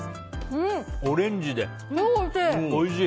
オレンジで、おいしい。